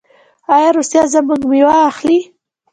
آیا روسیه زموږ میوه اخلي؟